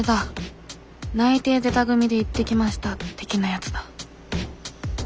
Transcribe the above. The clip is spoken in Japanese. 内定出た組で行ってきました的なやつだ